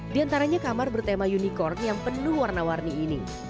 di antaranya kamar bertema unicorn yang penuh warna warni ini